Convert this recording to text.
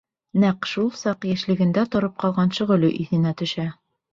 Нәҡ шул саҡ йәшлегендә тороп ҡалған шөғөлө иҫенә төшә.